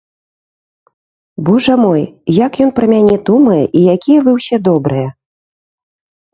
Божа мой, як ён пра мяне думае і якія вы ўсе добрыя!